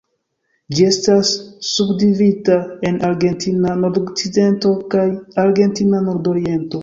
Ĝi estas subdividita en Argentina Nordokcidento kaj Argentina Nordoriento.